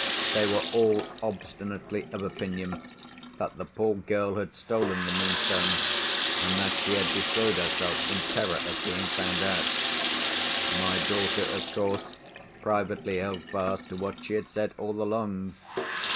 They were all obstinately of opinion that the poor girl had stolen the Moonstone, and that she had destroyed herself in terror of being found out. My daughter, of course, privately held fast to what she had said all along.